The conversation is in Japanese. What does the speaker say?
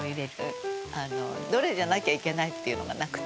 「どれじゃなきゃいけないっていうのはなくって」